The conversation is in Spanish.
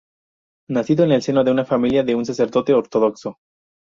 Nacido en el seno de una familia de un sacerdote ortodoxo.